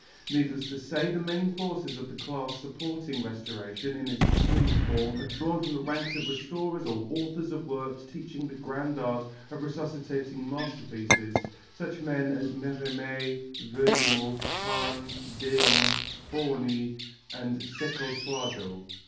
Needless to say, the main forces of the class supporting restoration in its extreme form are drawn from the ranks of restorers or authors of works teaching the grand art of resuscitating masterpieces, such men as Merimée, Vergnaud, Prange, Deon, Forni and Secco Suardo.